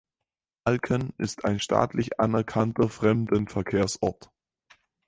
Alken ist ein staatlich anerkannter Fremdenverkehrsort.